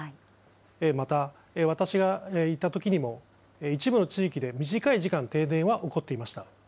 また、私が行ったときにも、一部の地域で短い時間、停電が起こっていました。